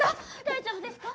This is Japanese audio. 大丈夫ですか？